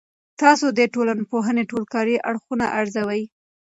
تاسو د ټولنپوهنې ټول کاري اړخونه ارزوي؟